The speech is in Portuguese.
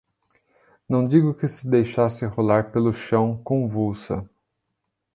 não digo que se deixasse rolar pelo chão, convulsa